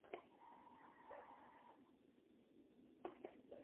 Rifkin está casado con Iva Rifkin.